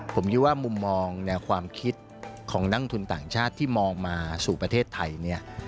ผมคิดว่ามุมมองแนวความคิดของนักทุนต่างชาติที่มองมาสู่ประเทศไทยเนี่ย